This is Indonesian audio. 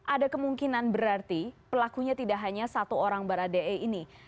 ada kemungkinan berarti pelakunya tidak hanya satu orang baradee ini